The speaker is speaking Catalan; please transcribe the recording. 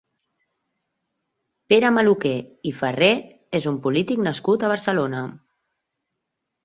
Pere Maluquer i Ferrer és un polític nascut a Barcelona.